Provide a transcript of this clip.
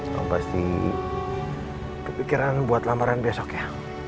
kamu pasti berpikiran buat lamaran besok ya